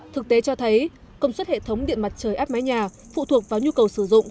thực tế cho thấy công suất hệ thống điện mặt trời áp mái nhà phụ thuộc vào nhu cầu sử dụng